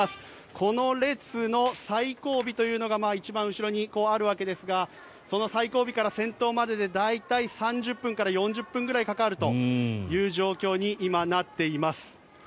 この列の最後尾というのが一番後ろにあるわけですがその最後尾から先頭までで大体３０分から４０分ぐらいかかるという状況に今、なっています。